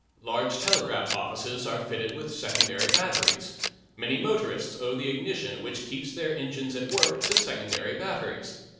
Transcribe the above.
Large telegraph offices are fitted with secondary batteries. Many motorists owe the ignition which keeps their engines at work to secondary batteries.